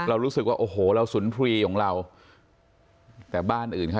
เรารู้สึกว่าโอ้โหเราสุนพลีของเราแต่บ้านอื่นค่ะ